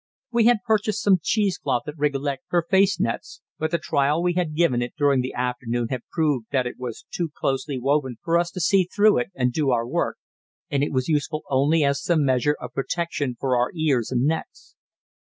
We had purchased some cheesecloth at Rigolet for face nets, but the trial we had given it during the afternoon had proved that it was too closely woven for us to see through it and do our work, and it was useful only as some measure of protection for our ears and necks.